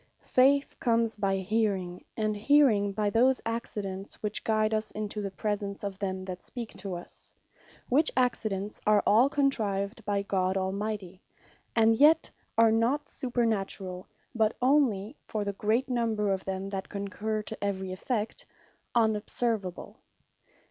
Faith comes by hearing, and hearing by those accidents, which guide us into the presence of them that speak to us; which accidents are all contrived by God Almighty; and yet are not supernaturall, but onely, for the great number of them that concurre to every effect, unobservable.